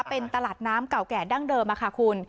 เป็นตลาดน้ำเก่าแก่ดั้งเดิมค่ะคุณ